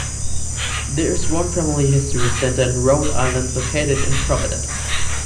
There is one family history center in Rhode Island located in Providence.